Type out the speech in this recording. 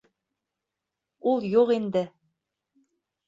Ул юҡ инде!